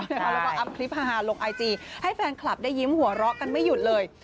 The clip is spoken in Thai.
แล้วก็อัพคลิปฮาลงไอจีให้แฟนคลับได้ยิ้มหัวเราะกันไม่หยุดเลย